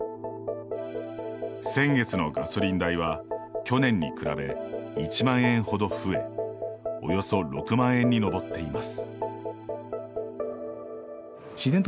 先月のガソリン代は去年に比べ１万円ほど増えおよそ６万円に上っています。